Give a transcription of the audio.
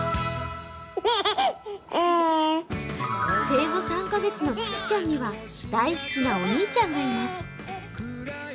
生後３か月のつきちゃんには大好きなお兄ちゃんがいます。